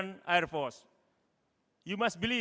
anda harus percaya bahwa